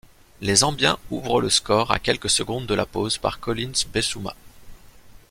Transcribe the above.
Les Zambiens ouvrent le score à quelques secondes de la pause par Collins Mbesuma.